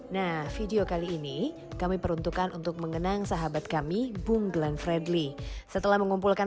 nah video kali ini kami peruntukkan untuk mengenang sahabat kami bung glenn fredly setelah mengumpulkan